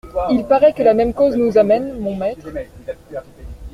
Il parait que la même cause nous amène, mon maître ?